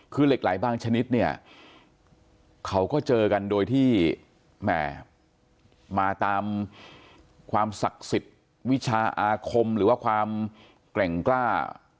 เขาก็เจอกันโดยที่แหม่มาตามความศักดิ์สิทธิ์วิชาอาคมหรือว่าความแกร่งกล้า